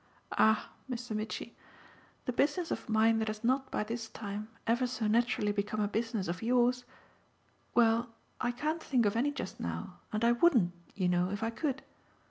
"Ah, Mr. Mitchy, the business of mine that has not by this time ever so naturally become a business of yours well, I can't think of any just now, and I wouldn't, you know, if I could!"